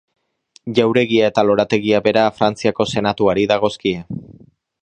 Jauregia eta lorategia bera Frantziako Senatuari dagozkie.